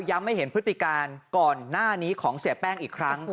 ให้เห็นพฤติการก่อนหน้านี้ของเสียแป้งอีกครั้ง